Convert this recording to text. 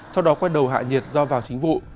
sau đó quay đầu hạ nhiệt do vào chính vụ